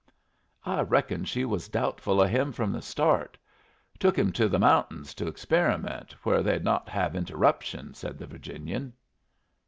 "I reckon she was doubtful of him from the start. Took him to the mount'ins to experiment, where they'd not have interruption," said the Virginian.